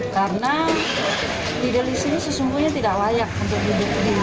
karena fidelis ini sesungguhnya tidak layak untuk duduk di kursi terdakwa ini